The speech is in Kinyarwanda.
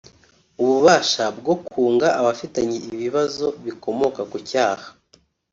Ububasha bwo kunga abafitanye ibibazo bikomoka ku cyaha